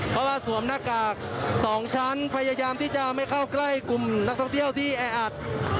เพราะว่าสวมหน้ากาก๒ชั้นพยายามที่จะไม่เข้าใกล้กลุ่มนักท่องเที่ยวที่แออัด